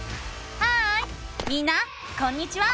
ハーイみんなこんにちは！